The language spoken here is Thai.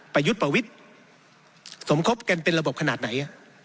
ประยุทธ์ประวิทธิ์สมคบกันเป็นระบบขนาดไหน